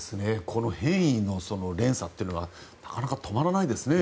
この変異の連鎖っていうのはなかなか止まらないですね。